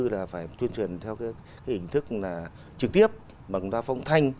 là phải tuyên truyền theo hình thức trực tiếp bằng đa phong thanh